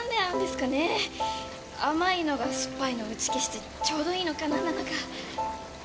甘いのが酸っぱいのを打ち消してちょうどいいのか何なのか。